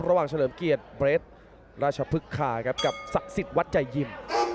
ระหว่างเฉลิมเกียร์เบรษราชภึกค่ากับศักดิ์สิทธิ์วัดใจยิม